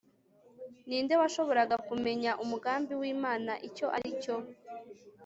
ninde washoboraga kumenya umugambi w'imana icyo aricyo